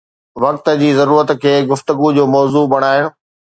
وقت جي ضرورت کي گفتگو جو موضوع بڻائڻ